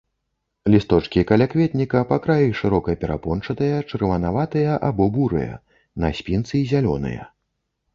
Лісточкі калякветніка па краі шырока перапончатыя, чырванаватыя або бурыя, на спінцы зялёныя.